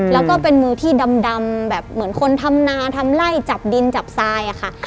แล้วก็เป็นมือที่ดำแบบเหมือนคนทำนาทำไล่จับดินจับทรายอะค่ะ